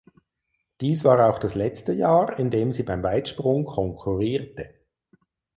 Dies war auch das letzte Jahr in dem sie beim Weitsprung konkurrierte.